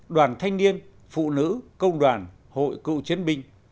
đoàn thanh niên phụ nữ công đoàn hội cựu chiến binh